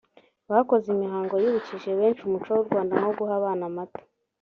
Bakoze imihango yibukije benshi umuco w’u Rwanda nko guha abana amata